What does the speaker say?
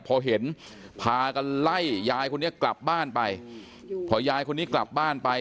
พอเห็นพากันไล่ยายคนนี้กลับบ้านไปพอยายคนนี้กลับบ้านไป